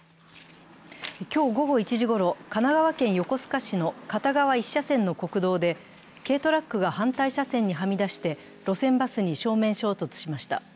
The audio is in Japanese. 今日午後１時ごろ神奈川県横須賀市の片側１車線の国道で軽トラックが反対車線にはみ出して路線バスに正面衝突しました。